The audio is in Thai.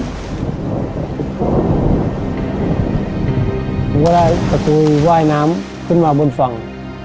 ผมก็ได้ประตูว่ายน้ำขึ้นมาบนฝั่ง